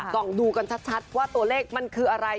ส่องดูกันชัดว่าตัวเลขมันคืออะไร